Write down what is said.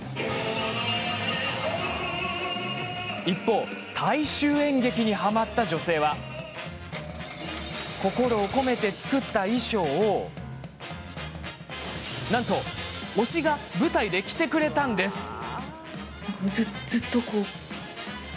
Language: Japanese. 一方、大衆演劇にはまった女性は心を込めて作った衣装をなんと推しが舞台で着てくれたんです！